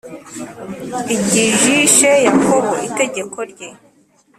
igishije Yakobo Itegeko rye,